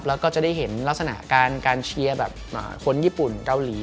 แล้วก็จะได้เห็นลักษณะการเชียร์แบบคนญี่ปุ่นเกาหลี